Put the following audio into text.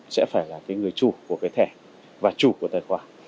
sẽ phải là cái người chủ của cái thẻ và chủ của tài khoản